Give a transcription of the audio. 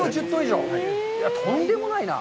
とんでもないな。